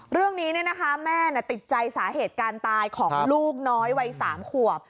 เรื่องนี้แม่ติดใจสาเหตุการตายของลูกน้อยวัย๓ขวบ